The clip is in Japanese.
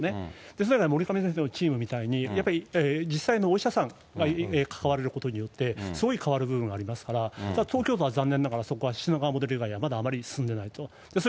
それから守上先生のチームみたいに、やっぱり実際のお医者様が関われることによって、すごい変わる部分がありますから、東京都は残念ながらそこは品川モデル以外にはまだあまり進んでないということがある。